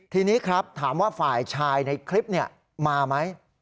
ทีนี้ครับถามว่าฝ่ายชายในคลิปมาไหม